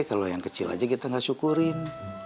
kalau yang kecil aja kita gak syukurin